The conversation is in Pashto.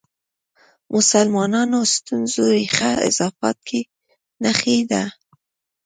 مسلمانانو ستونزو ریښه اضافات کې نغښې ده.